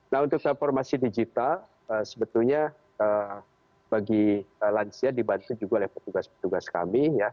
nah untuk transformasi digital sebetulnya bagi lansia dibantu juga oleh petugas petugas kami ya